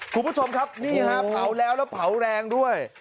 คุณผู้ชมครับนี่ฮะเผาแล้วแล้วเผาแรงด้วย